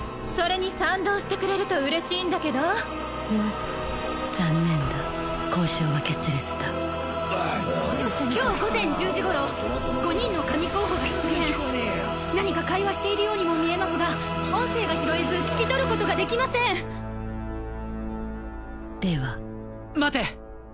それに賛同してくれると嬉しいんだけどヌ残念だ交渉は決裂だ今日午前１０時頃５人の神候補が出現何か会話しているようにも見えますが音声が拾えず聞き取ることができませんでは待て！